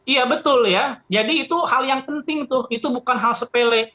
iya betul ya jadi itu hal yang penting tuh itu bukan hal sepele